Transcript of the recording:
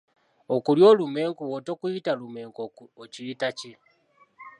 Okulya olumenku bw'otokuyita lumenku okiyita ki?